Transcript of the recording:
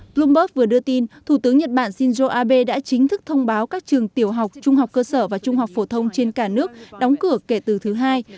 bloomberg vừa đưa tin thủ tướng nhật bản shinzo abe đã chính thức thông báo các trường tiểu học trung học cơ sở và trung học phổ thông trên cả nước đóng cửa kể từ thứ hai